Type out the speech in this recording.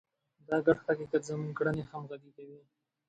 دا ګډ حقیقت زموږ کړنې همغږې کوي.